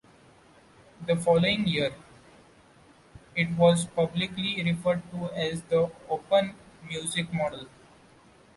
The following year, it was publicly referred to as the Open Music Model.